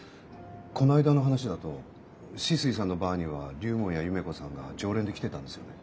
この間の話だと酒々井さんのバーには龍門や夢子さんが常連で来てたんですよね？